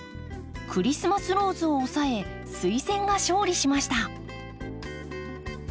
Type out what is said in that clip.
クリスマスローズを押さえスイセンが勝利しました。